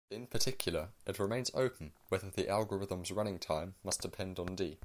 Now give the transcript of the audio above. In particular, it remains open whether the algorithm's running time must depend on "d".